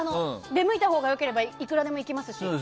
出向いたほうが良ければいくらでも行きますし。